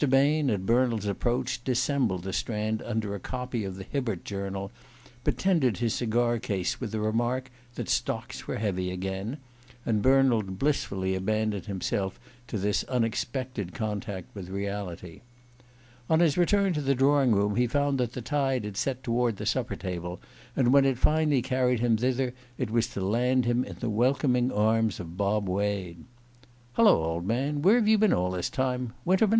Bain, at Bernald's approach, dissembled the Strand under a copy of the Hibbert Journal, but tendered his cigar case with the remark that stocks were heavy again; and Bernald blissfully abandoned himself to this unexpected contact with reality. On his return to the drawing room he found that the tide had set toward the supper table, and when it finally carried him thither it was to land him in the welcoming arms of Bob Wade. "Hullo, old man! Where have you been all this time? Winterman?